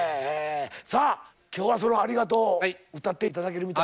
さあ今日はその「ありがとう」を歌って頂けるみたいで。